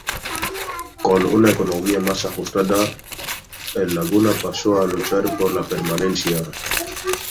Con una economía más ajustada el Laguna pasó a luchar por la permanencia.